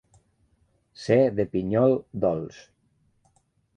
Ser de pinyol dolç.